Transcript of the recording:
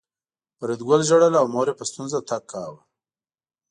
فریدګل ژړل او مور یې په ستونزه تګ کاوه